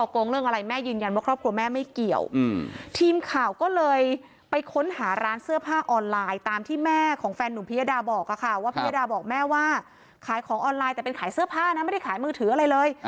เป็นขายเสื้อผ้านะไม่ได้ขายมือถืออะไรเลย